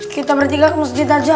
kita bertiga ke masjid nazir